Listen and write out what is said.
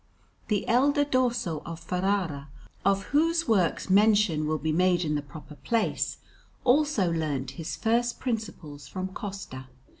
The elder Dosso of Ferrara, of whose works mention will be made in the proper place, also learnt his first principles from Costa.